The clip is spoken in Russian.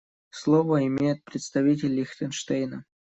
Слово имеет представитель Лихтенштейна.